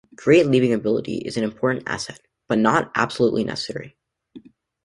Great leaping ability is an important asset, but not absolutely necessary.